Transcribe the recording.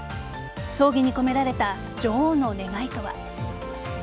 葬儀に込められた女王の願いとは。